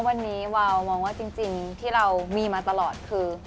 วันนี้วาวมองว่าจริงที่เรามีมาตลอดคือ